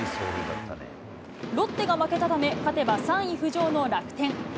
ロッテが負けたため、勝てば３位浮上の楽天。